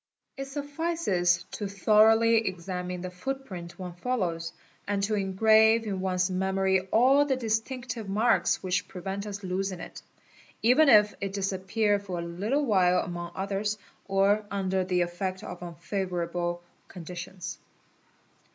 It suffices to horoughly examine the footprint one follows, and to engrave in one's nemory all the distinctive marks which prevent us losing it, even if it ise ppear for a little while among others, or under the effect of unfavour ble conditions.